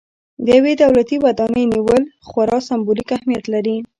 د یوې دولتي ودانۍ نیول خورا سمبولیک اهمیت لري.